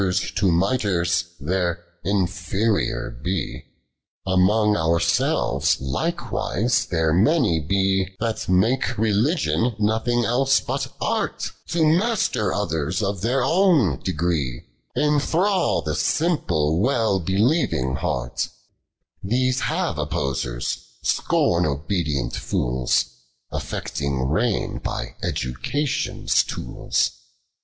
Z. OF RELIGION. 249 30. t Among ourselves likewise there many be K That make Religion nothing else but art, K To master others of their own degree, i: Enthral the simple well believing heart ; r These have opposers, seom obedient fools, Affecting ndgn by Education's tools.